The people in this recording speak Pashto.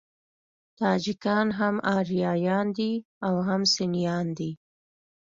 تاجکان هم آریایان دي او هم سنيان دي.